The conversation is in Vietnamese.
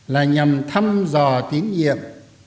là nhằm thăm dò tín nhiệm